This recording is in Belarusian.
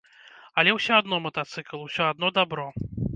Але, усё адно матацыкл, усё адно дабро.